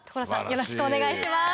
よろしくお願いします。